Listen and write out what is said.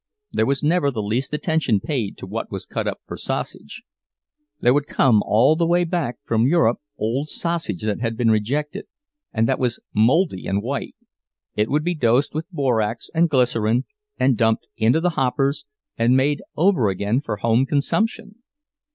There was never the least attention paid to what was cut up for sausage; there would come all the way back from Europe old sausage that had been rejected, and that was moldy and white—it would be dosed with borax and glycerine, and dumped into the hoppers, and made over again for home consumption.